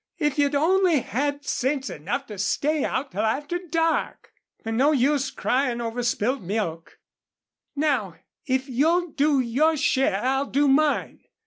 If you'd only had sense enough to stay out till after dark! But no use crying over spilt milk. Now, if you'll do your share I'll do mine.